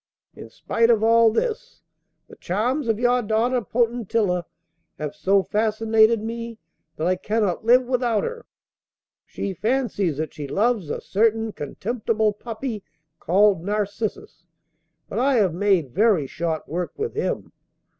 In spite of all this, the charms of your daughter Potentilla have so fascinated me that I cannot live without her. She fancies that she loves a certain contemptible puppy called Narcissus; but I have made very short work with him.